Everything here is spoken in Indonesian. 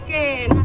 gak pake benang